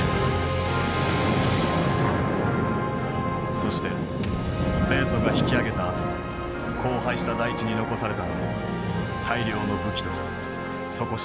そして米ソが引き揚げたあと荒廃した大地に残されたのは大量の武器と底知れない憎悪だった。